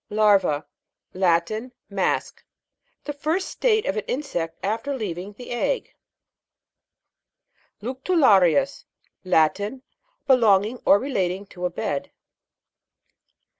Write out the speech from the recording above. LAR'VA. Latin. A mask. The first state of an insect after leaving the G SS LECTULA'RIUS. Latin. Belonging or relating to a bed.